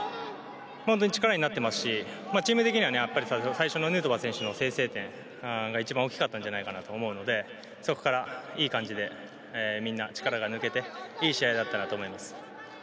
力になっていますしチーム的には最初のヌートバー選手の先制点が一番大きかったんじゃないかなと思うのでそこからいい感じでみんな、力が抜けていい試合だったなと思います。